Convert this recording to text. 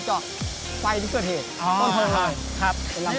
ใจวิทยาเทศต้นเผลอ